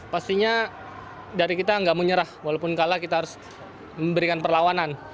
pastinya dari kita nggak menyerah walaupun kalah kita harus memberikan perlawanan